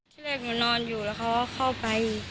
ที่แรกหนูนอนอยู่แล้วเขาก็เข้าไป